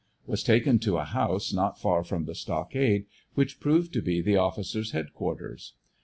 Was taken to a house not far from the stockade, which proved to be the officers head quarters.